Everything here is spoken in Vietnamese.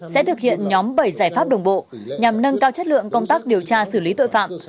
sẽ thực hiện nhóm bảy giải pháp đồng bộ nhằm nâng cao chất lượng công tác điều tra xử lý tội phạm